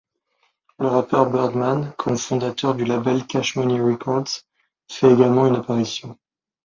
Le rappeur Birdman, co-fondateur du label Cash Money Records, fait également une apparition.